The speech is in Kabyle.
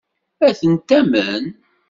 Ad ten-tamen?